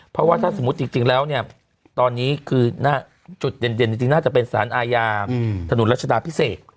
เพราะว่าถ้าสมมุติจริงแล้วเนี่ยตอนนี้คือจุดเด่นจริงน่าจะเป็นสารอาญาถนนรัชดาพิเศษ